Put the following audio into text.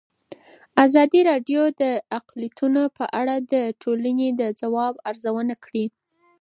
ازادي راډیو د اقلیتونه په اړه د ټولنې د ځواب ارزونه کړې.